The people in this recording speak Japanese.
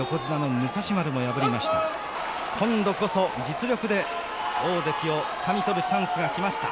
今度こそ実力で大関をつかみ取るチャンスが来ました。